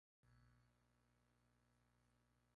Su obra es modesta, comparada con la de su padre.